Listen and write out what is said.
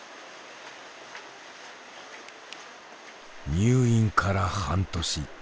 入院から半年。